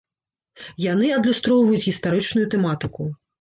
Яны адлюстроўваюць гістарычную тэматыку.